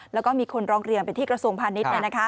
แล้วก็มีคนร้องเรียนไปที่กระทรวงพาณิชย์